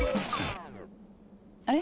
あれ？